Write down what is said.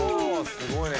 すごいね。